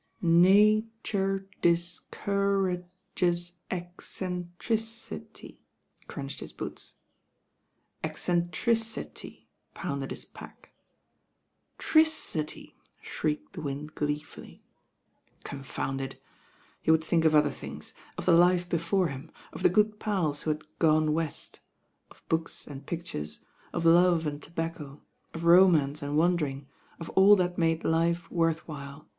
"Na ture dis cou ra ges • ec cen tri ci ty I" crunched his boots. "EoKTcn tri^i^," pounded his pack. "Tri<i ty," shrieked the wind gleefully. Confound it! He would think of other things; of the life before him, of the good pals who had "gone west," of books and pictures, of love and to bacco, of romance and wandering, of all that made life worth while.